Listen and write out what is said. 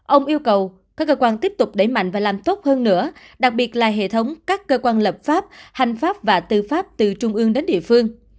ông yêu cầu các cơ quan tiếp tục đẩy mạnh và làm tốt hơn nữa đặc biệt là hệ thống các cơ quan lập pháp hành pháp và tư pháp từ trung ương đến địa phương